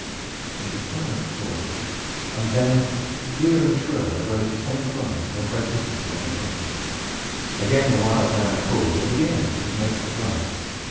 There was a silent pause, and then, clear and shrill, there rose the same cry no great distance away in the forest. Again the "Wild Man" called, and again his mate replied.